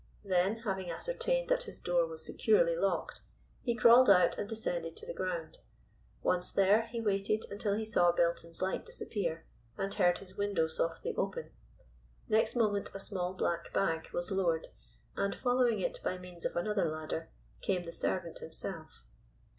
Then, having ascertained that his door was securely locked, he crawled out and descended to the ground. Once there, he waited until he saw Belton's light disappear, and heard his window softly open. Next moment a small black bag was lowered, and following it by means of another ladder, came the servant himself.